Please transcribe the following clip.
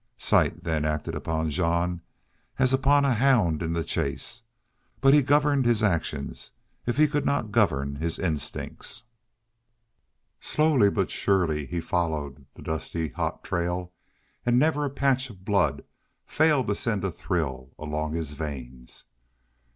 Sight then acted upon Jean as upon a hound in the chase. But he governed his actions if he could not govern his instincts. Slowly but surely he followed the dusty, hot trail, and never a patch of blood failed to send a thrill along his veins.